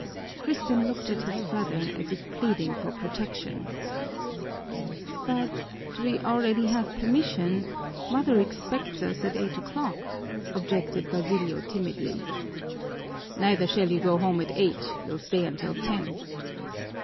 Crispin looked at his brother as if pleading for protection. "But we already have permission mother expects us at eight o'clock," objected Basilio timidly. "Neither shall you go home at eight, you'll stay until ten."